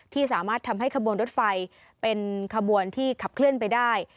ที่สามารถทำให้ขบวนรถไฟเป็นขบวนที่ขับเคลื่อนไปได้